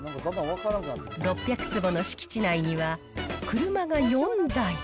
６００坪の敷地内には、車が４台。